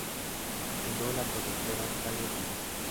Fundó la productora Taller Luz.